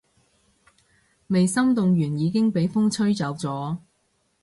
未心動完已經畀風吹走咗